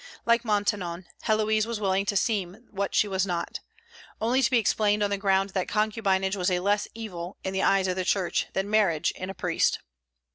Like Maintenon, Héloïse was willing to seem what she was not, only to be explained on the ground that concubinage was a less evil, in the eyes of the Church, than marriage in a priest.